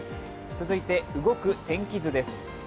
続いて、動く天気図です。